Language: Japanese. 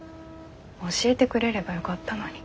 教えてくれればよかったのに。